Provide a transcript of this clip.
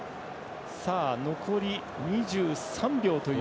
残り２３秒という。